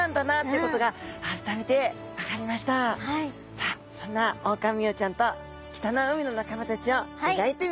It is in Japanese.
さあそんなオオカミウオちゃんと北の海の仲間たちを描いてみました。